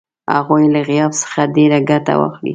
هغوی له غیاب څخه ډېره ګټه واخلي.